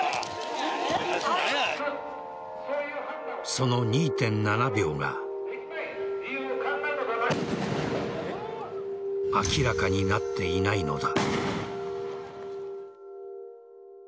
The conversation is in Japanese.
その２．７秒が明らかになっていないのだ。